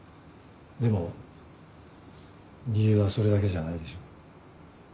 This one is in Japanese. でも理由はそれだけじゃないでしょ？